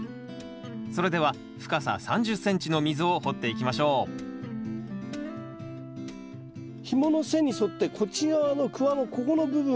それでは深さ３０ｃｍの溝を掘っていきましょうひもの線に沿ってこっち側のクワのここの部分をですね